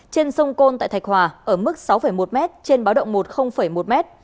trên sông côn tại thạch hòa ở mức sáu một m trên báo động một một m